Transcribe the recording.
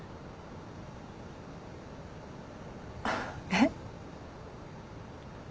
えっ？